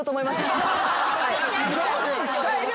上手に使える？